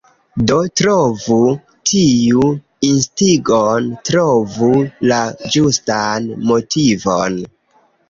Do, trovu tiun instigon, Trovu la ĝustan motivon.